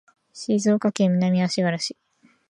静岡県南足柄市